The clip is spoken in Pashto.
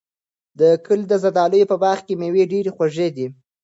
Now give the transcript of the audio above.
د کلي د زردالیو په باغ کې مېوې ډېرې خوږې دي.